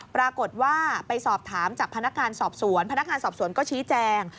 ปรากฏว่าไปสอบถามจากพนักงานสอบสวนพนักงานสอบสวนก็ชี้แจง